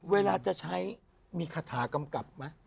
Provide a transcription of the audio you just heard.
เวลาจะใช้มีคาถากำกับไหม